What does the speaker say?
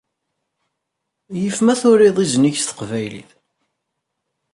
Yif ma turiḍ izen-ik s teqbaylit.